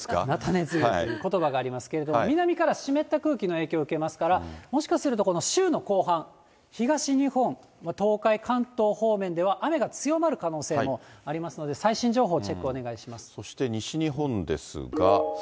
菜種梅雨ということばがありますけれども、南から湿った空気の影響受けますから、もしかすると、この週の後半、東日本、東海、関東方面では雨が強まる可能性もありますので、最新情報、チェッそして西日本ですが。